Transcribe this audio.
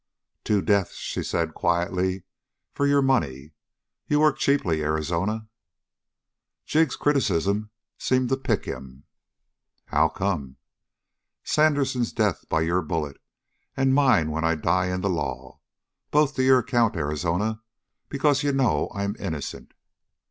"Two deaths," she said quietly, "for your money. You work cheaply, Arizona." Jig's criticism seemed to pique him. "How come?" "Sandersen's death by your bullet, and mine when I die in the law. Both to your account, Arizona, because you know I'm innocent."